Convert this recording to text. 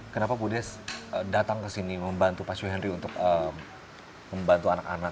kenapa bu des datang ke sini membantu pak syuhendri untuk membantu anak anak